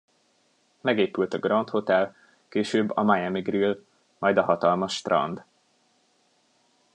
Megépült a Grand Hotel, később a Miami Grill, majd a hatalmas strand.